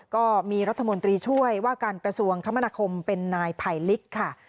ก็มีรัฐมนตรีช่วยว่าการกระทรวงคมนาคมเป็นนายไผลลิกค่ะ